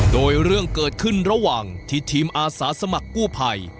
โดยเรื่องเกิดขึ้นระหว่างที่ทีมอาสาสมัครกู้ภัย